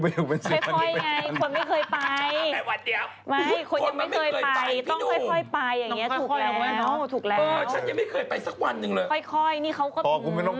พอกูไม่ต้องไปกูไปไม่ได้